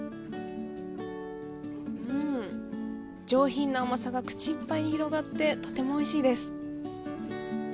うーん、上品な甘さが口いっぱいに広がって、とてもおいしいです。